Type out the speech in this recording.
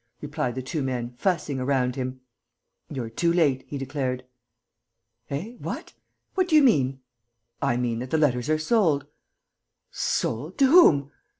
." replied the two men, fussing around him. "You're too late," he declared. "Eh? What? What do you mean?" "I mean that the letters are sold." "Sold! To whom?"